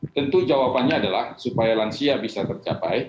tentu jawabannya adalah supaya lansia bisa tercapai